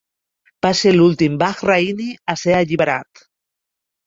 Va ser l'últim Bahraini a ser alliberat.